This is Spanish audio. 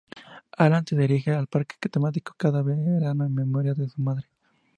Alan se dirige al parque temático cada verano en memoria de su madre.